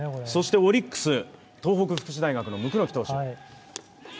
オリックス、東北福祉大学の椋木投手。